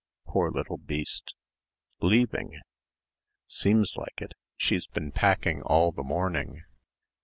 "Poor little beast!" "Leaving!" "Seems like it she's been packing all the morning."